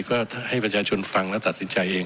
ก็ให้ประชาชนฟังและตัดสินใจเอง